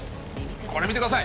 これ見てください。